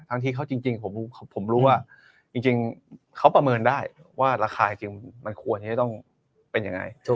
ที่เขาจริงผมรู้ว่าจริงเขาประเมินได้ว่าราคาจริงมันควรที่จะต้องเป็นยังไง